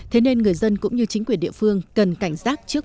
thế nên người dân cũng như chính quyền địa phương cần cảnh giác trước